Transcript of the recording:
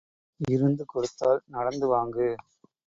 இருந்து கொடுத்தால் நடந்து வாங்கு.